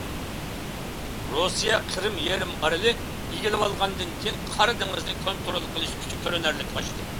رۇسىيە قىرىم يېرىم ئارىلىقى ئىگىلىۋالغاندىن كېيىن، قارا دېڭىزنى كونترول قىلىش كۈچى كۆرۈنەرلىك ئاشتى.